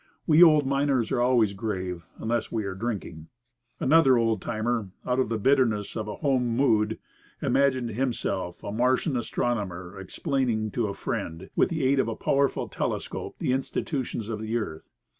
We old miners are always grave, unless were drinking." Another old timer, out of the bitterness of a "home mood," imagined himself a Martian astronomer explaining to a friend, with the aid of a powerful telescope, the institutions of the earth.